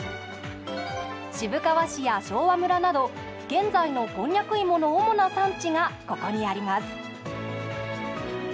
渋川市や昭和村など現在のこんにゃく芋の主な産地がここにあります。